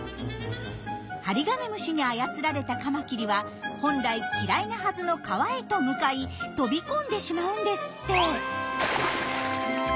ハリガネムシに操られたカマキリは本来嫌いなはずの川へと向かい飛び込んでしまうんですって。